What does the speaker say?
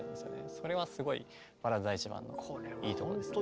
それはすごい「バラード第１番」のいいところですね。